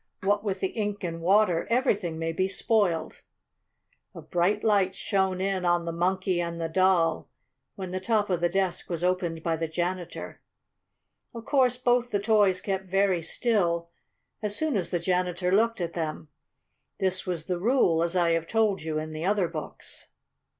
What with the ink and water, everything may be spoiled." A bright light shone in on the Monkey and the Doll when the top of the desk was opened by the janitor. Of course both the toys kept very still as soon as the janitor looked at them. This was the rule, as I have told you in the other books.